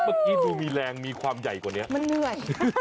มีแรงมีแรงมีความใหญ่กว่านี้